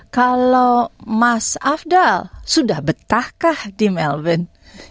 kalau mas afdal sudah betahkah di melbourne